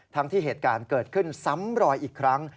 ที่เหตุการณ์เกิดขึ้นซ้ำรอยอีกครั้ง